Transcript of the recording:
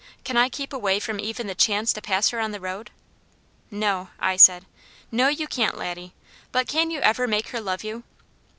Can I keep away from even the chance to pass her on the road?" "No," I said. "No, you can't, Laddie. But can you ever make her love you?"